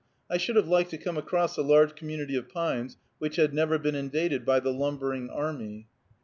I should have liked to come across a large community of pines, which had never been invaded by the lumbering army.